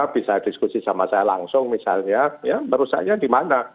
bisa diskusi sama saya langsung misalnya ya merusaknya di mana